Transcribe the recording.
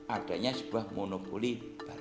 adanya sebuah monopoli baru